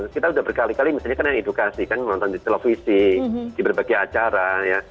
kita sudah berkali kali misalnya kan yang edukasi kan menonton di televisi di berbagai acara ya